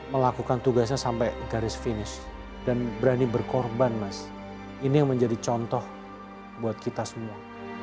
melakukan tugasnya sampai garis finish dan berani berkorban mas ini yang menjadi contoh buat kita semua